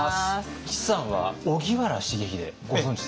岸さんは荻原重秀ご存じですか？